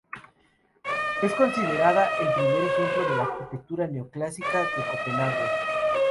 Es considerada el primer ejemplo de la arquitectura neoclásica en Copenhague.